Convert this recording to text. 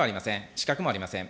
資格もありません。